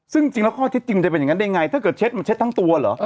ซึ่งจริงแล้วข้อเท็จจริงจะเป็นอย่างนั้นได้ไงถ้าเกิดเช็ดมันเช็ดทั้งตัวเหรอ